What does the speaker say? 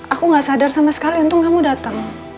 aku gak sadar sama sekali untung kamu datang